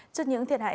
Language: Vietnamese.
trước những thiệt hại